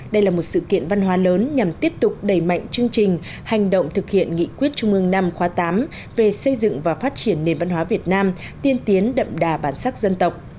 đây là một sự kiện văn hóa lớn nhằm tiếp tục đẩy mạnh chương trình hành động thực hiện nghị quyết trung ương năm khóa tám về xây dựng và phát triển nền văn hóa việt nam tiên tiến đậm đà bản sắc dân tộc